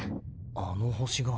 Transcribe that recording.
あの星が。